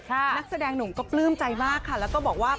นักแสดงหนุ่มก็ปลื้มใจมากค่ะแล้วก็บอกว่า